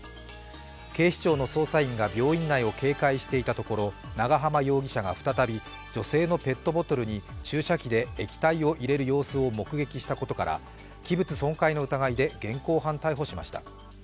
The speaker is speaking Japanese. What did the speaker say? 警視庁の捜査員が病院内を警戒していたところ長浜容疑者が再び女性のペットボトルに注射器で液体を入れる様子を目撃したことから器物損壊の疑いで現行犯逮捕しました。